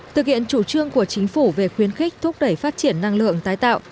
thực hiện chủ trương của chính phủ về khuyến khích thúc đẩy phát triển năng lượng tái tạo